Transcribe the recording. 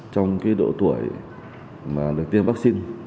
trong độ tuổi mà được tiêm vaccine